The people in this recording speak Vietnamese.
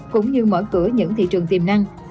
cũng như mở cửa những thị trường tiềm năng